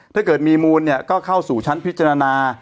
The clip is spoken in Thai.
ถ้าเกิดมีมูลก็เข้าสู่ชั้นพิจารณา